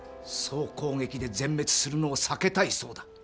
総攻撃で全滅するのを避けたいそうだ。